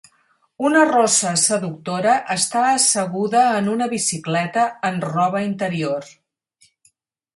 Una rossa seductora està asseguda en una bicicleta en roba interior.